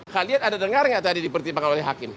kalian ada dengar nggak tadi dipertimbangkan oleh hakim